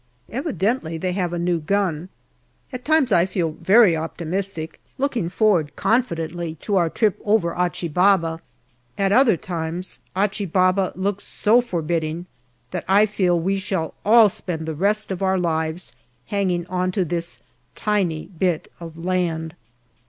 Evidently they have a new gun. At times I feel very optimistic, looking forward confidently to our trip over Achi Baba ; at other times Achi Baba looks so for bidding that I feel we shall all spend the rest of our lives hanging on to this tiny bit of land.